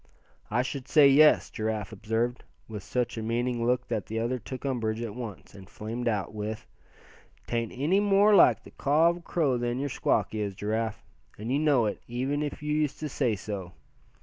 "I should say, yes," Giraffe observed, with such a meaning look that the other took umbrage at once, and flamed out with: "'Tain't any more like the caw of a crow than your squawk is, Giraffe, and you know it, even if you used to say so.